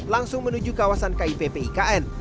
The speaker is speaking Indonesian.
langsung menuju kawasan kipp ikn